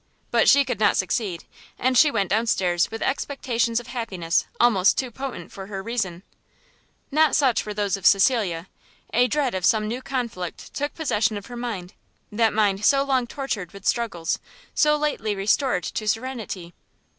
But she could not succeed, and she went down stairs with expectations of happiness almost too potent for her reason. Not such were those of Cecilia; a dread of some new conflict took possession of her mind, that mind so long tortured with struggles, so lately restored to serenity!